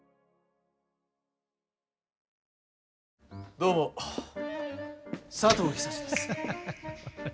どうも佐藤久志です。